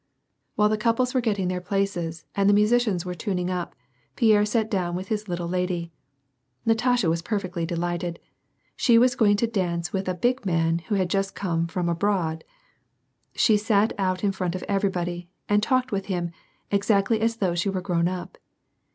While the couples were getting their places, and the musi cians were tuning up, Pierre sat down with his little lady. Natasha was perfectly delighted; she was going to dance with a big man, who had just come from abroad. She sat out in front of everybody, and talked with him, exactly as though she were grown up.